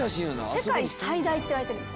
世界最大っていわれてるんです。